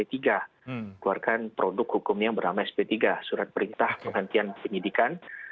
keluarkan produk hukum yang bernama sp tiga surat perintah penghantian penyidikan